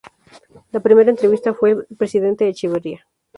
La primera entrevista fue al presidente Echeverría.